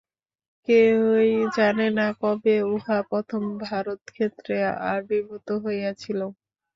কেহই জানে না, কবে উহা প্রথম ভারতক্ষেত্রে আবির্ভূত হইয়াছিল।